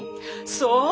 そう！